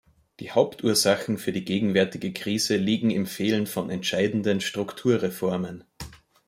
Die Hauptursachen für die gegenwärtige Krise liegen im Fehlen von entscheidenden Strukturreformen.